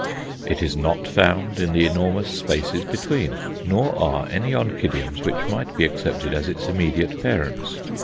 It is not found in the enormous spaces between, nor are any Oncidiums which might be accepted as its immediate parents.